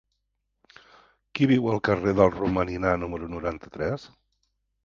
Qui viu al carrer del Romaninar número noranta-tres?